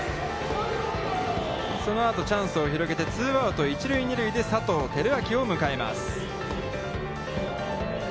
その後チャンスを広げて、ツーアウト、一塁二塁で佐藤輝明を迎えます。